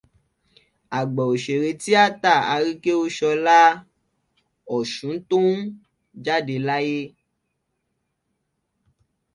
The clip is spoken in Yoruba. Àgbà òṣèré tíátà, Aríkéúṣọlá 'Ọ̀ṣuntóún' jáde láyé.